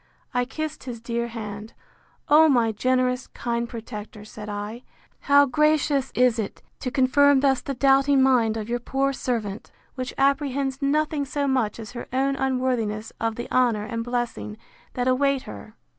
I kissed his dear hand: O my generous, kind protector, said I, how gracious is it to confirm thus the doubting mind of your poor servant! which apprehends nothing so much as her own unworthiness of the honour and blessing that await her!